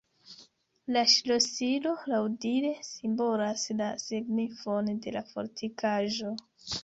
La ŝlosilo laŭdire simbolas la signifon de la fortikaĵo.